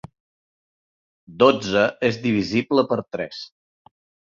Dotze és divisible per tres.